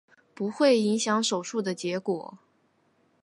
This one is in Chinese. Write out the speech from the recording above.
不会影响手术的结果。